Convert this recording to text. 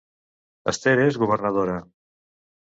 Esther és governadora